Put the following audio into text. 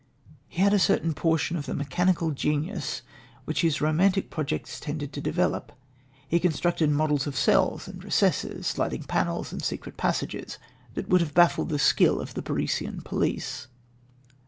He had a certain portion of mechanical genius which his romantic projects tended to develop. He constructed models of cells and recesses, sliding panels and secret passages, that would have baffled the skill of the Parisian police."